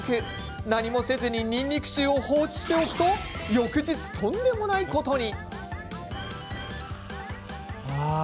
何もせずににんにく臭を放置しておくと翌日とんでもないことに。